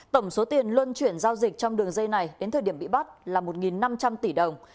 tổng số tiền luân chuyển giao dịch trong đường dây này đến thời điểm bị bắt là một năm trăm linh tỷ đồng